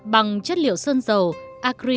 bằng chất liệu sơn dầu